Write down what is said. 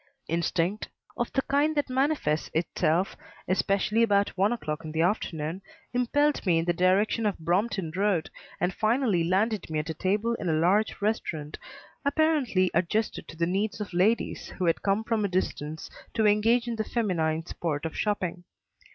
Instinct of the kind that manifests itself especially about one o'clock in the afternoon impelled me in the direction of Brompton Road, and finally landed me at a table in a large restaurant apparently adjusted to the needs of ladies who had come from a distance to engage in the feminine sport of shopping.